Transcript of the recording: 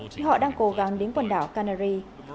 khi họ đang cố gắng đến quần đảo canary